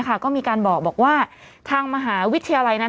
ก็มีการบอกว่าทางมหาวิทยาลัยนั้น